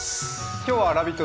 今日は「ラヴィット！」